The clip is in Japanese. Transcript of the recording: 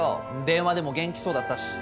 電話でも元気そうだったし。